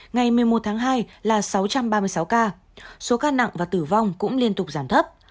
ngày một mươi một tháng hai là sáu trăm ba mươi sáu ca số ca nặng và tử vong cũng liên tục giảm thấp